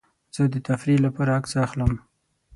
زه د تفریح لپاره عکس اخلم.